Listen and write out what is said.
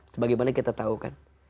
sebagaimana kita tahu kan